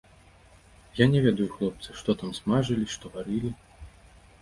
Я не ведаю, хлопцы, што там смажылі, што варылі.